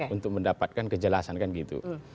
untuk mendapatkan kejelasan kan gitu